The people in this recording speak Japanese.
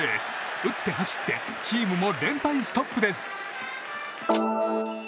打って走ってチームも連敗ストップです。